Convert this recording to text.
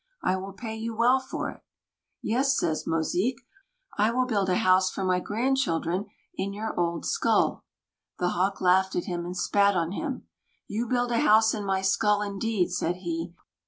I will pay you well for it." "Yes," says Mosique, "I will build a house for my grandchildren in your old skull." The Hawk laughed at him, and spat on him. "You build a house in my skull, indeed," said he.